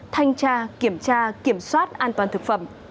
thanh tra kiểm tra kiểm soát an toàn thực phẩm